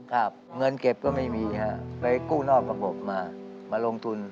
เงินเก็บก็ไม่มีฮะไปกู้นอกระบบมามาลงทุน